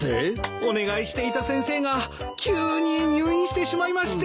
お願いしていた先生が急に入院してしまいまして。